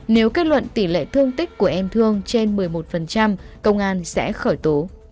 nếu kết luận tỷ lệ thương tích của em thương trên một mươi một công an sẽ khởi tố